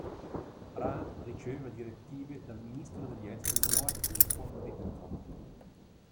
Rahn riceveva direttive dal Ministro degli Esteri Joachim von Ribbentrop.